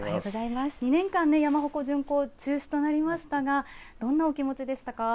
２年間、山鉾巡行、中止となりましたが、どんなお気持ちでしたか。